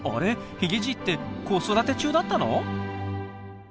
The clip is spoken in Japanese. ヒゲじいって子育て中だったの？